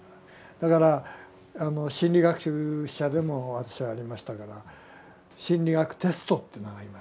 だから心理学者でも私はありましたから心理学テストというのがありますね。